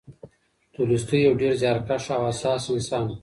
تولستوی یو ډېر زیارکښ او حساس انسان و.